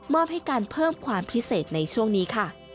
อบให้การเพิ่มความพิเศษในช่วงนี้ค่ะ